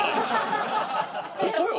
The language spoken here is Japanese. ここよ？